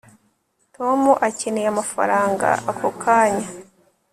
tom akeneye amafaranga ako kanya